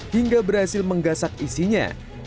hingga berhasil menggasak isinya